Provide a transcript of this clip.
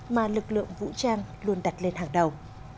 mà lực lượng vũ trang luôn đặt lên hàng đầu